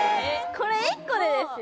これ１個でですよ